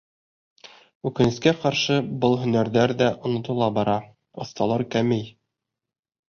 Үкенескә ҡаршы, был һөнәрҙәр ҙә онотола бара, оҫталар кәмей.